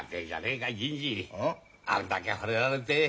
あれだけほれられて。